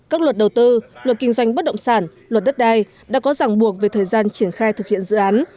các luật đầu tư luật kinh doanh bất động sản luật đất đai đã có ràng buộc về thời gian triển khai thực hiện dự án